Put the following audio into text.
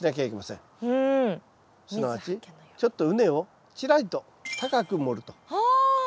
すなわちちょっと畝をちらりと高く盛ると。